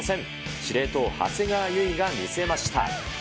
司令塔、長谷川唯が見せました。